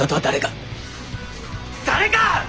誰か！